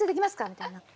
みたいな。